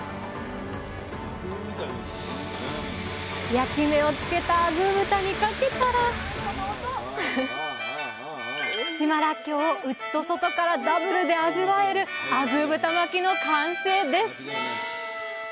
焼き目を付けたアグー豚にかけたら島らっきょうを内と外からダブルで味わえるアグー豚巻きの完成です！